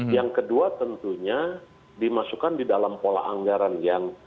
yang kedua tentunya dimasukkan di dalam pola anggaran yang